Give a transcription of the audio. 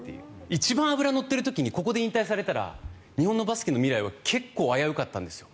一番脂が乗っている時にここで引退されたら日本のバスケの未来は結構、危うかったんですよ。